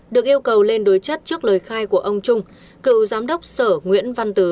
được yêu cầu lên đối chất trước lời khai của ông trung cựu giám đốc sở nguyễn văn tứ